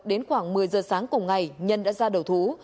đến khoảng một mươi giờ sáng cùng ngày nhân đã ra đầu thú